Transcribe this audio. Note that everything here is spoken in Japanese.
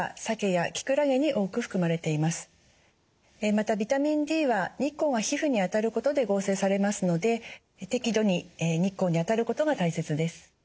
またビタミンＤは日光が皮膚に当たることで合成されますので適度に日光に当たることが大切です。